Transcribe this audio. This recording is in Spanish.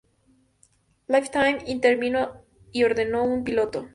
Lifetime intervino y ordenó un piloto.